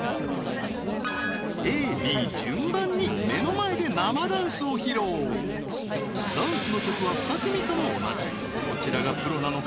ＡＢ順番に目の前で生ダンスを披露ダンスの曲は２組とも同じどちらがプロなのか？